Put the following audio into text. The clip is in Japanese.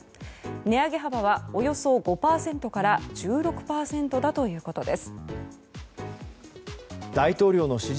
値上げ幅はおよそ５％から１６％だということです。